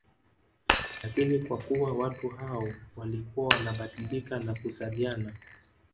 Lakini kwa kuwa watu hao walikuwa wanabadilika na kuzaliana